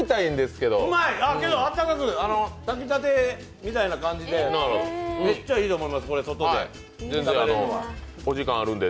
けどあったかくて、炊きたてみたいな感じでめっちゃいいと思います、これ外で。